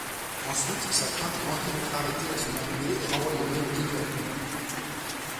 Ensuite, sa crainte grandit d'être arrêté à son arrivée, et renvoyé menotté directement.